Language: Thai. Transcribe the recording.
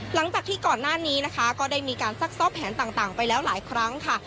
หลังจากที่ก่อนหน้านี้นะคะก็ได้มีการซักซ้อมแผนต่างไปแล้วหลายครั้งค่ะ